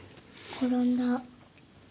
転んだ。